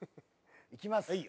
行きます。